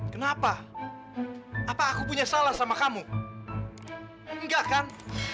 kenapa apa aku punya salah sama kamu enggak kan